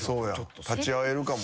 立ち会えるかも。